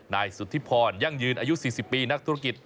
นายสุธิพรยั่งยืนอายุ๔๐ปีนักธุรกิจ